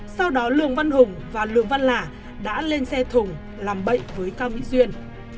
sau đó lương văn hùng và lương văn lả đã lên xe thùng làm bậy với cao mỹ duyên